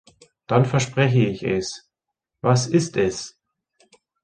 Dann verspreche ich es; was ist es?